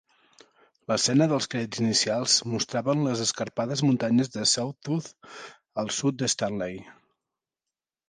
L'escena dels crèdits inicials mostraven les escarpades muntanyes Sawtooth al sud de Stanley.